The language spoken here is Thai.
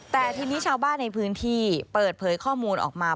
แต่ทีนี้ชาวบ้านในพื้นที่เปิดเผยข้อมูลออกมา